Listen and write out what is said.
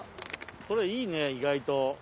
これいいね意外と。